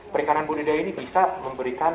perikanan budidaya ini bisa memberikan